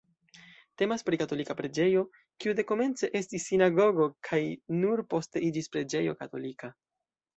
Temas pri katolika preĝejo, kiu dekomence estis sinagogo kaj nur poste iĝis preĝejo katolika.